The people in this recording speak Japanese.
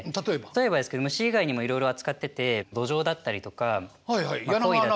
例えばですけど虫以外にもいろいろ扱っててドジョウだったりとかコイだったり。